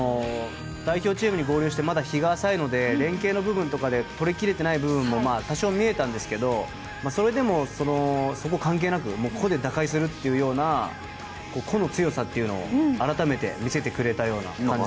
代表チームに合流してまだ日が浅いので連係の部分とかで取り切れていない部分も多少は見えたんですがそれでもそこは関係なく個で打開するというような個の強さを改めて見せてくれたような試合でしたね。